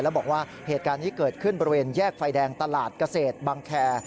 แล้วบอกว่าเหตุการณ์นี้เกิดขึ้นบริเวณแยกไฟแดงตลาดเกษตรบังแคร์